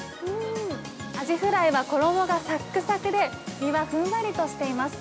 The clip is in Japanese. アジフライは衣がさっくさくで、身はふんわりとしています。